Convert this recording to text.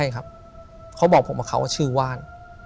เขาบอกผมว่าเขาชื่อว่าน